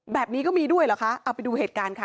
แบบนี้ก็มีด้วยเหรอคะเอาไปดูเหตุการณ์ค่ะ